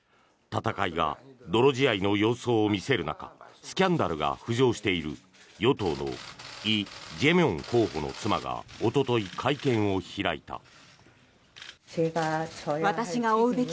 戦いが泥仕合の様相を見せる中スキャンダルが浮上している与党のイ・ジェミョン候補の妻がおととい、会見を開いた。